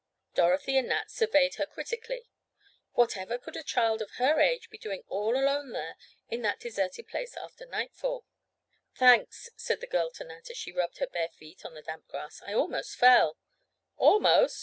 Dorothy and Nat surveyed her critically. Whatever could a child of her age be doing all alone there, in that deserted place after nightfall? "Thanks," said the girl to Nat, as she rubbed her bare feet on the damp grass. "I almost fell." "Almost?"